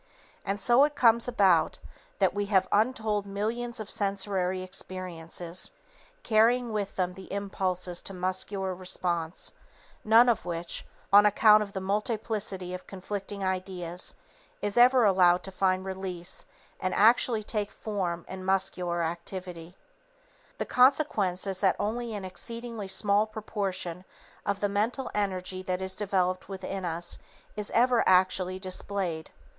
And so it comes about, that _we have untold millions of sensory experiences, carrying with them the impulses to muscular response, none of which, on account of the multiplicity of conflicting ideas, is ever allowed to find release and actually take form in muscular activity_. [Sidenote: Hidden Strength] The consequence is that only an exceedingly small proportion of the mental energy that is developed within us is ever actually displayed.